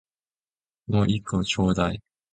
もう一個ちょうだい